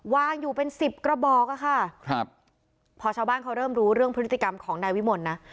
วางอยู่เป็นสิบกระบอกอะค่ะครับพอชาวบ้านเขาเริ่มรู้เรื่องพฤติกรรมของนายวิมลนะ